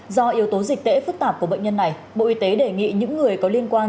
do yếu tố dịch tễ phức tạp của bệnh nhân này bộ y tế đề nghị những người có liên quan